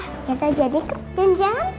kita jadi kejunjan